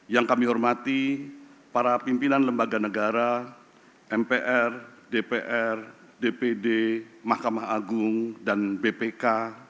yang kami hormati para pimpinan lembaga negara mpr dpr dpd mahkamah agung dan bpk